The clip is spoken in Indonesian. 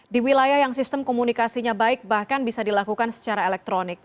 di wilayah yang sistem komunikasinya baik bahkan bisa dilakukan secara elektronik